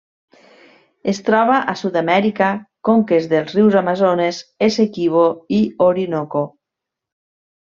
Es troba a Sud-amèrica: conques dels rius Amazones, Essequibo i Orinoco.